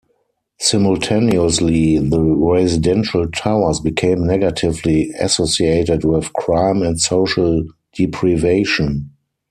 Simultaneously, the residential towers became negatively associated with crime and social deprivation.